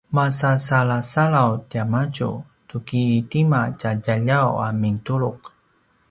masasalasalaw tiamadju tu ki tima tja djaljaw a mintuluq